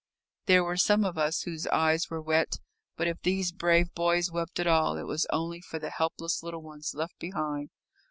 There were some of us whose eyes were wet, but if these brave boys wept at all, it was only for the helpless little ones left behind.